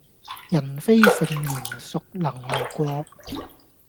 人非聖賢孰能無過